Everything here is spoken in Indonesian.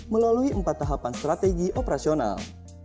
melalui empat tahapan strategi operasional